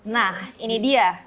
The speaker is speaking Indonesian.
nah ini dia